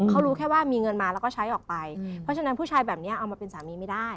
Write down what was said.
เขารู้แค่ว่ามีเงินมาแล้วก็ใช้ออกไปเพราะฉะนั้นผู้ชายแบบนี้เอามาเป็นสามีไม่ได้